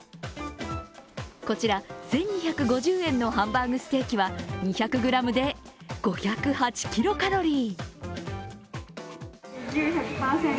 こちら１２５０円のハンバーグステーキは２００ｇで５０８キロカロリー。